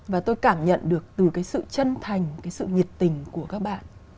và tôi cảm nhận được từ cái sự chân thành cái sự nhiệt tình của các bạn